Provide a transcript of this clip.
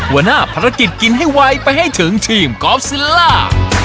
หัวหน้าภารกิจกินให้ไวไปให้ถึงทีมกอล์ฟซิลล่า